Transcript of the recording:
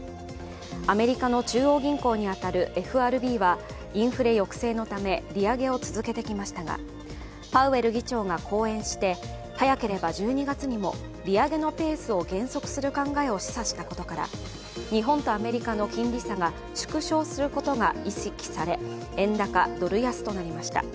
アメリカの中央銀行に当たるＦＲＢはインフレ抑制のため利上げを続けてきましたがパウエル議長が講演して早ければ１２月にも利上げのペースを減速する考えを示唆したことから、日本とアメリカの金利差が縮小することが意識され円高・ドル安となりました。